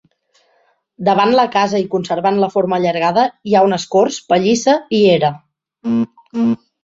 Davant la casa i conservant la forma allargada hi ha unes corts, pallissa i era.